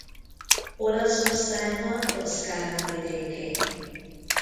Olaszországban Toscana vidékén.